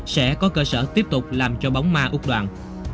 sẽ có cơ sở tiếp tục làm cho bóng ma úc đoàn